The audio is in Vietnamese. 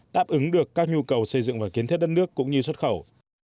đứng được các nhu cầu xây dựng và kiến thiết đất nước cũng như xuất khẩu